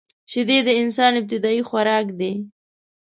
شیدې د انسان ابتدايي خوراک دی